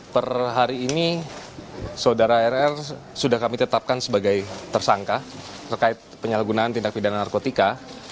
per hari ini saudara rr sudah kami tetapkan sebagai tersangka terkait penyalahgunaan tindak pidana narkotika